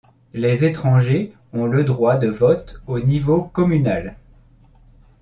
Les étrangers ont le droit de vote au niveau communal.